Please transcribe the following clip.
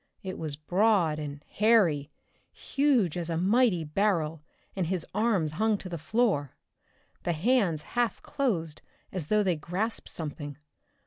It was broad and hairy, huge as a mighty barrel, and his arms hung to the floor, the hands half closed as though they grasped something.